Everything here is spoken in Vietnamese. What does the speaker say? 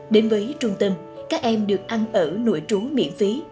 đến với trung tâm các em được ăn ở nội trú miễn phí